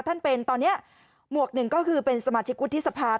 ท่านเป็นตอนนี้หมวกหนึ่งก็คือเป็นสมาชิกวุฒิสภา